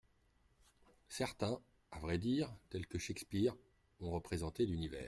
Certains, à vrai dire, tels que Shakespeare, ont représenté l'univers.